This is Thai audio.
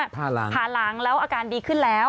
ผ่าหลังผ่าหลังแล้วอาการดีขึ้นแล้ว